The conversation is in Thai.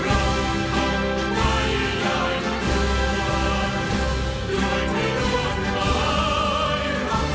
เอกราชจะไม่ให้ใครต้องกลี